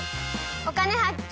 「お金発見」。